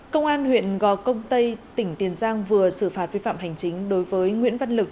công an huyện gò công tây tỉnh tiền giang vừa xử phạt vi phạm hành chính đối với nguyễn văn lực